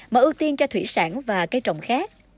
mà ưu tiên cho thủy sản và cây trồng khác